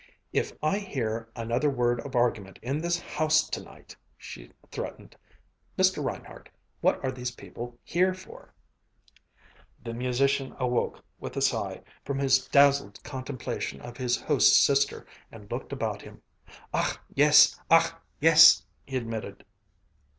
"If I hear another word of argument in this house tonight " she threatened. "Mr. Reinhardt, what are these people here for?" The musician awoke, with a sigh, from his dazzled contemplation of his host's sister, and looked about him. "Ach, yes! Ach, yes!" he admitted.